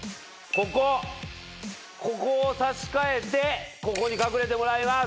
ここを差し替えてここに隠れてもらいます。